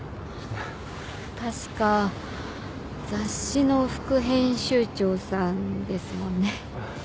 確か雑誌の副編集長さんですもんね。